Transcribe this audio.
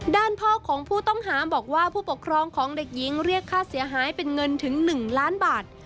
ด้านพ่อของผู้ต้องหาบอกว่าผู้ปกครองของเด็กหญิงเรียกค่าเสียหายเป็นเงินถึง๑ล้านบาท